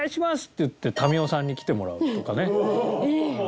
って言って民生さんに来てもらうとかね。